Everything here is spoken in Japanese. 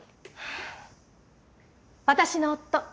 私の夫。